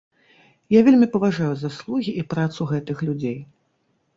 Я вельмі паважаю заслугі і працу гэтых людзей.